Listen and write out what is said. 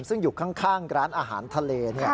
ซึ่งอยู่ข้างร้านอาหารทะเล